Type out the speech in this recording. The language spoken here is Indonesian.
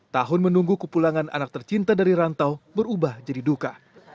tahun menunggu kepulangan anak tercinta dari rantau berubah jadi duka